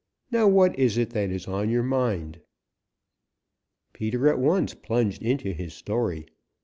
Now what is it that is on your mind?" Peter at once plunged into his story.